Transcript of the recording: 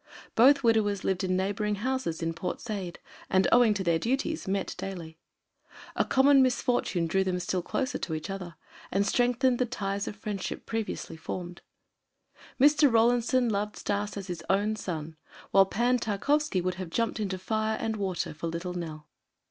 Both widowers lived in neighboring houses in Port Said, and owing to their duties met daily. A common misfortune drew them still closer to each other and strengthened the ties of friendship previously formed. Mr. Rawlinson loved Stas as his own son, while Pan Tarkowski would have jumped into fire and water for little Nell.